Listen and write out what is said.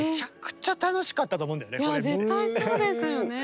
いや絶対そうですよね。